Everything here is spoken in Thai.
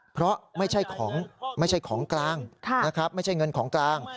เพราะไม่ใช่ของกลางไม่ใช่เงินของกลาง